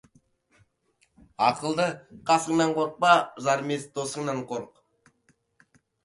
Ақылды қасыңнан қорықпа, жарымес досыңнан қорық.